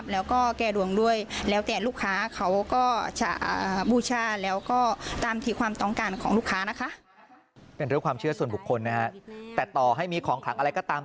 เป็นเรื่องความเชื่อส่วนบุคคลนะฮะแต่ต่อให้มีของขังอะไรก็ตาม